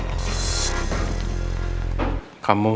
mereka akan simpati lagi dengan kamu